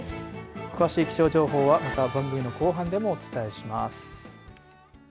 詳しい気象情報はまた番組の後半でもお伝えします。